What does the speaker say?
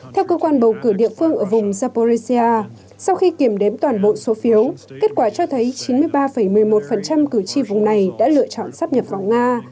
theo cơ quan bầu cử địa phương ở vùng zaporisia sau khi kiểm đếm toàn bộ số phiếu kết quả cho thấy chín mươi ba một mươi một cử tri vùng này đã lựa chọn sắp nhập vào nga